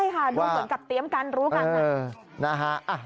ใช่ค่ะดูเหมือนกับเตรียมกันรู้กัน